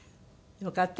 よかった。